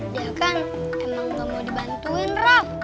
dia kan emang gak mau dibantuin rok